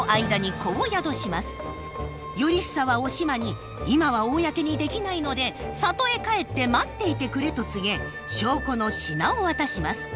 頼房はおしまに今は公にできないので里へ帰って待っていてくれと告げ証拠の品を渡します。